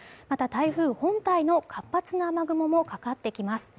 台風本体の活発な雨雲もかかってきます